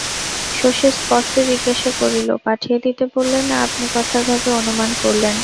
শশী স্পষ্ট জিজ্ঞাসা করিল, পাঠিয়ে দিতে বললে না আপনি কথার ভাবে অনুমান করলেন?